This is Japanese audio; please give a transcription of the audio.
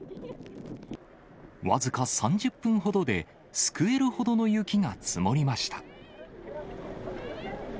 僅か３０分ほどで、すくえるほどの雪が積もりました。